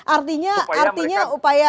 artinya artinya upaya